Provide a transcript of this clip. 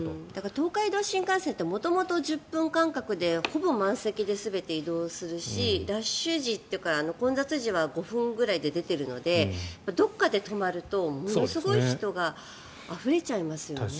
東海道新幹線って元々１０分間隔でほぼ満席で全て移動するしラッシュ時っていうか、混雑時は５分くらいで出ているのでどこかで止まると、ものすごい人があふれちゃいますよね。